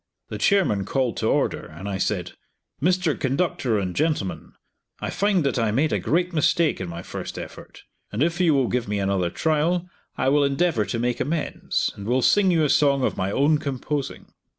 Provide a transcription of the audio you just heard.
The chairman called to order, and I said, "Mr. Conductor and gentlemen I find that I made a great mistake in my first effort, and if you will give me another trial I will endeavor to make amends, and will sing you a song of my own composing."